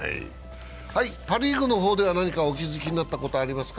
パ・リーグの方では何かお気づきになったことありますか。